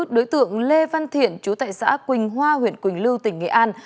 đối tượng lê văn thiện chú tại xã quỳnh hoa huyện quỳnh lưu tỉnh nghệ an